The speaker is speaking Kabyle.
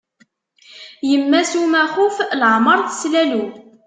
Yemma-s n umaxuf leεmer teslalew.